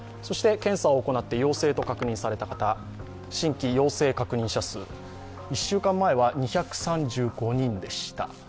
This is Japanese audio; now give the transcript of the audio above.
検査を行って陽性と確認された方、新規陽性確認者数、１週間前は２３５人でした。